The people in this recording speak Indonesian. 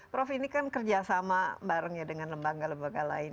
prof ini kan kerjasama barengnya dengan lembaga lembaga lain